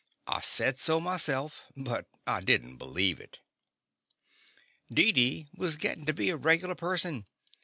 I said so myself, but I did n't believe it. Deedee was gittin' to be a regular person.